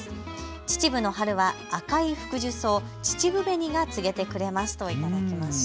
秩父の春は赤いフクジュソウ、秩父紅が告げてくれますと頂きました。